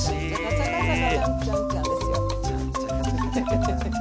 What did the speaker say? チャンチャカチャカチャンですよ。